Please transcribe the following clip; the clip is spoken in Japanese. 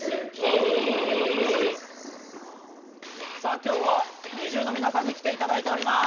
今日はＮｉｚｉＵの皆さんに来ていただいております。